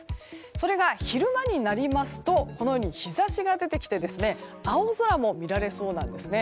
それが昼間になりますとこのように日差しが出てきて青空も見られそうなんですね。